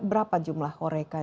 berapa jumlah horeca